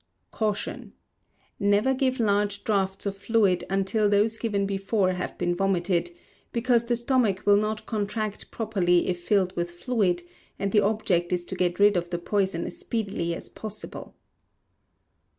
Caution. Never give large draughts of fluid until those given before have been vomited, because the stomach will not contract properly if filled with fluid, and the object is to get rid of the poison as speedily as possible.